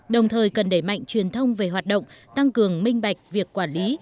đồng thời cần đẩy mạnh truyền thông về hoạt động tăng cường minh bạch việc quản lý